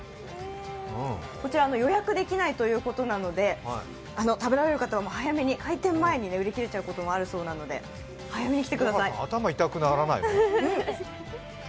こちら、予約できないということなので、食べられる方は開店前に売り切れちゃうこともあるそうなので、頭、痛くならないの？